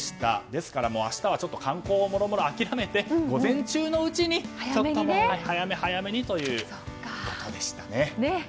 ですから、明日は観光もろもろは諦めて午前中のうちに早め早めにということでしたね。